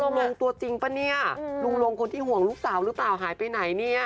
ลงตัวจริงป่ะเนี่ยลุงลงคนที่ห่วงลูกสาวหรือเปล่าหายไปไหนเนี่ย